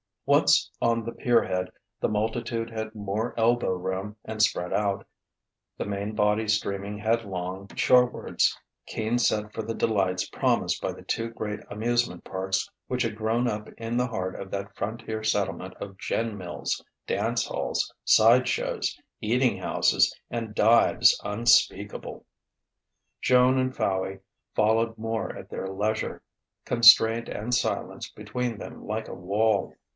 Once on the pier head the multitude had more elbow room and spread out, the main body streaming headlong shorewards, keen set for the delights promised by the two great amusement parks which had grown up in the heart of that frontier settlement of gin mills, dance halls, side shows, eating houses, and dives unspeakable. Joan and Fowey followed more at their leisure, constraint and silence between them like a wall.